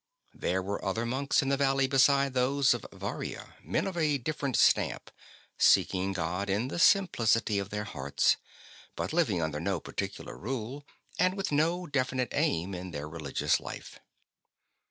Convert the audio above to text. There were other monks in the valley besides those of Varia, men of a different stamp, seeking God in the simplicity of their hearts, but living under no particular rule, and with no definite aim in their religious life.